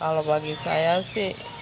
kalau bagi saya sih